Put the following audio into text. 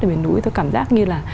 ở miền núi tôi cảm giác như là